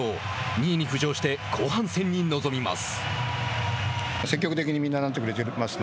２位に浮上して後半戦に臨みます。